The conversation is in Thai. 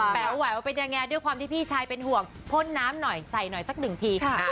แป๋วแหววเป็นยังไงด้วยความที่พี่ชายเป็นห่วงพ่นน้ำหน่อยใส่หน่อยสักหนึ่งที